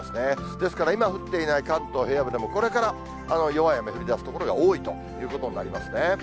ですから、今、降っていない関東平野部でも、これから弱い雨、降りだす所が多いということになりますね。